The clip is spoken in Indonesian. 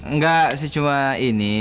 enggak sih cuma ini